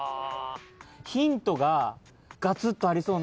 ヒントがガツッとありそうな。